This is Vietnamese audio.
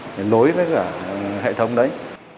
để lối với cả hệ thống đấy